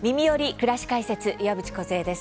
くらし解説」岩渕梢です。